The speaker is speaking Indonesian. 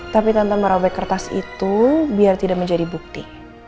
tante merobek kertas itu biar tidak menjadi bukti